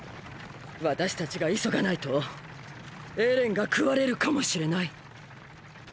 私たちが急がないとエレンが食われるかもしれない。